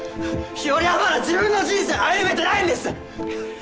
日和はまだ自分の人生を歩めてないんです！